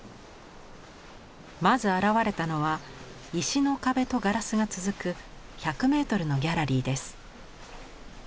まず現れたのは石の壁とガラスが続く１００メートルのギャラリーです。